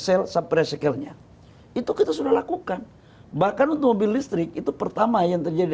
sel sampai sekillnya itu kita sudah lakukan bahkan untuk mobil listrik itu pertama yang terjadi